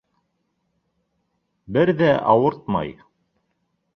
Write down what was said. Бер ҙә ауыртмай.